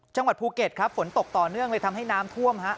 จังหวัดภูเก็ตครับฝนตกต่อเนื่องเลยทำให้น้ำท่วมฮะ